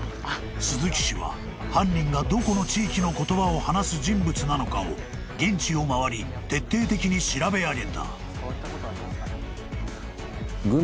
［鈴木氏は犯人がどこの地域の言葉を話す人物なのかを現地を回り徹底的に調べ上げた］